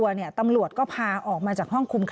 มึงอยากให้ผู้ห่างติดคุกหรอ